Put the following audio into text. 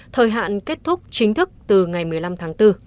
thời hạn kết thúc chính thức từ ngày một mươi năm tháng bốn